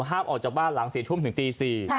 ห้ามออกจากบ้านหลัง๔ทุ่มถึงตี๔